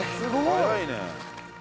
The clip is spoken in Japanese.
早いね。